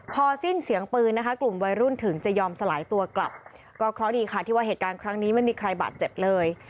พอสิ้นเสียงปืนนะคะกลุ่มวัยรุ่นถึงจะยอมสลายตัวกลับก็เคราะห์ดีค่ะที่ว่าเหตุการณ์ครั้งนี้ไม่มีใครบาดเจ็บเลย